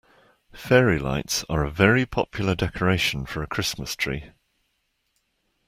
Fairy lights are a very popular decoration for a Christmas tree